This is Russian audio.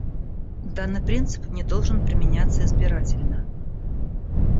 Данный принцип не должен применяться избирательно.